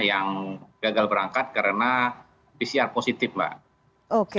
yang gagal berangkat karena pcr positif mbak